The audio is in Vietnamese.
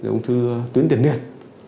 ung thư tuyến tiền nguyệt